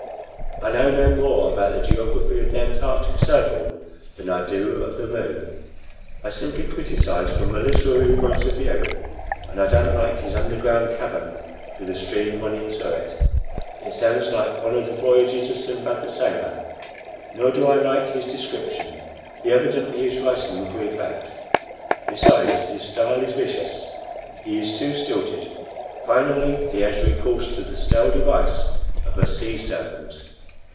I know no more about the geography of the antarctic circle than I do of the moon. I simply criticize from a literary point of view, and I don't like his underground cavern with the stream running through it. It sounds like one of the voyages of Sinbad the Sailor. Nor do I like his description; he evidently is writing for effect. Besides, his style is vicious; it is too stilted. Finally, he has recourse to the stale device of a sea serpent."